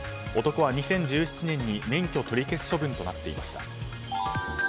男は２０１７年に免許取り消し処分となっていました。